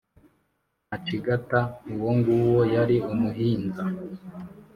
macigata uwonguwo yari umuhinza;